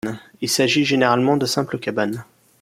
Il s'agit généralement de simples cabanes.